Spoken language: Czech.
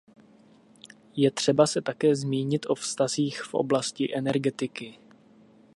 Je třeba se také zmínit o vztazích v oblasti energetiky.